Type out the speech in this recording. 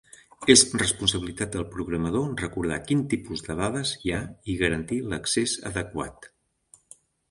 És responsabilitat del programador recordar quin tipus de dades hi ha i garantir l'accés adequat.